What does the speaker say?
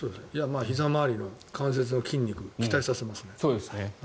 ひざ周りの関節の筋肉、鍛えさせますね。